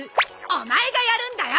オマエがやるんだよ！